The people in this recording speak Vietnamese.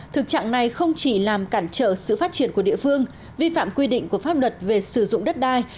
thực trạng này không chỉ làm cản trở sự phát triển của địa phương vi phạm quy định của pháp luật về sử dụng đất đai